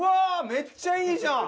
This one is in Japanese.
めっちゃいいじゃん！